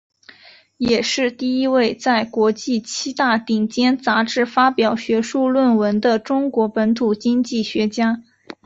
也是第一位在国际七大顶尖杂志发表学术论文的中国本土经济学家。